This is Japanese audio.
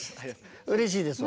うれしいですわ。